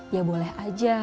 ya boleh aja